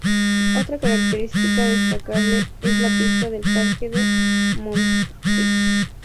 Otra característica destacable es la pista del Parque de Montjuich.